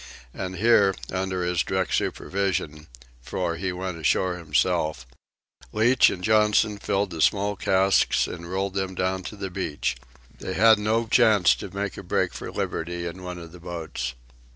And here, under his direct supervision—for he went ashore himself—Leach and Johnson filled the small casks and rolled them down to the beach. They had no chance to make a break for liberty in one of the boats.